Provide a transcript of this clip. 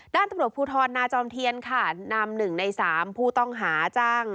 ด้านตำลดผู้ทอดนาจอมเทียนค่ะนำหนึ่งในสามผู้ต้องหาจ้าง